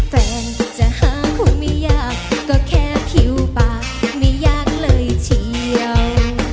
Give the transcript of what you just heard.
แฟนจะหาคนไม่ยากก็แค่ผิวปากไม่ยากเลยเชียว